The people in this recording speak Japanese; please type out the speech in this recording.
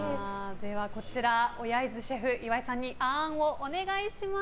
ではこちら、小柳津シェフ岩井さんにあーんをお願いします。